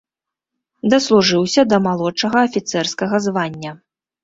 Даслужыўся да малодшага афіцэрскага звання.